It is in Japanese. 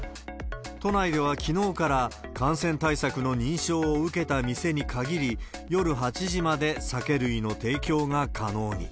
都内ではきのうから感染対策の認証を受けた店に限り、夜８時まで酒類の提供が可能に。